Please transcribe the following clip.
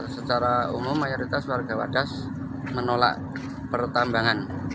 secara umum mayoritas warga wadas menolak pertambangan